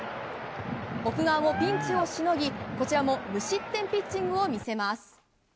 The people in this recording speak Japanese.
奥川もピンチをしのぎこちらも無失点ピッチングを見せます。